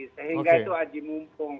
sehingga itu haji mumpung